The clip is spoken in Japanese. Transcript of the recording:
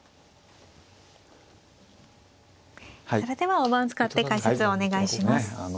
それでは大盤を使って解説をお願いします。